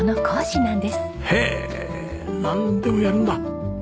へえなんでもやるんだ。